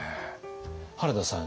原田さん